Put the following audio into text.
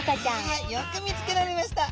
はいよく見つけられました。